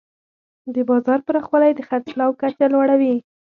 د بازار پراخوالی د خرڅلاو کچه لوړوي.